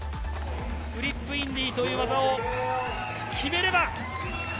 フリップインディという技を決めれば。